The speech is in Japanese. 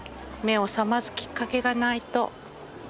目を覚ますきっかけがないと。